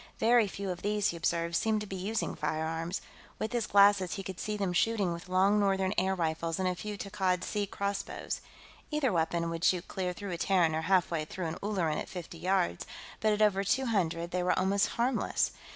Very few of these, he observed, seemed to be using firearms; with his glasses, he could see them shooting with long northern air rifles and a few Takkad Sea crossbows. Either weapon would shoot clear through a Terran or half way through an Ulleran at fifty yards, but at over two hundred they were almost harmless.